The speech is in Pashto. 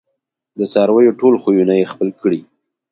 د څارویو ټول خویونه یې خپل کړي